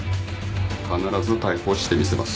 必ず逮捕してみせます。